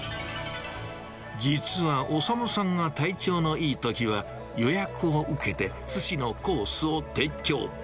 実は修さんが体調のいいときは、予約を受けて、すしのコースを提供。